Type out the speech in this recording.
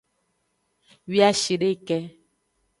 Wiashideke.